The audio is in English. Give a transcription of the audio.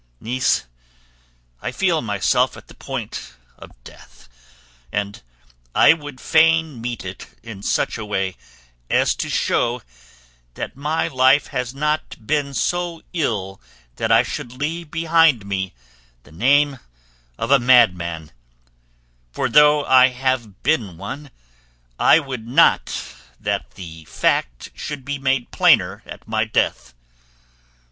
Niece, I feel myself at the point of death, and I would fain meet it in such a way as to show that my life has not been so ill that I should leave behind me the name of a madman; for though I have been one, I would not that the fact should be made plainer at my death.